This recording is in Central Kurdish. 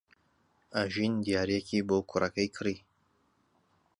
ئەژین دیارییەکی بۆ کوڕەکەی کڕی.